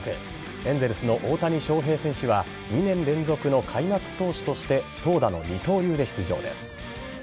エンゼルスの大谷翔平選手は２年連続の開幕投手として投打の二刀流で出場です。